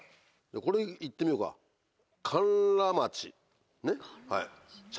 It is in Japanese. これ行ってみようか甘楽町。